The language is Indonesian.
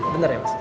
bentar ya mas